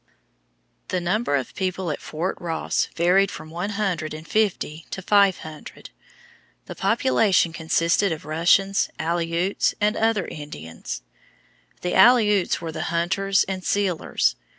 The number of people at Fort Ross varied from one hundred and fifty to five hundred. The population consisted of Russians, Aleuts, and other Indians. The Aleuts were the hunters and sealers.